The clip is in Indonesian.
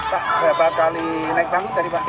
pak berapa kali naik panggilan tadi pak